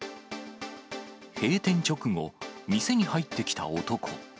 閉店直後、店に入ってきた男。